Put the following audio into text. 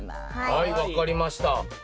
はい分かりました。